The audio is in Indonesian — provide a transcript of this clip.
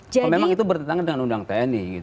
kalau memang itu bertentangan dengan undang tni gitu